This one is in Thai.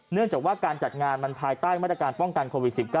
เนื่องจากว่าการจัดงานมันภายใต้มาตรการป้องกันโควิด๑๙